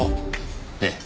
ええ。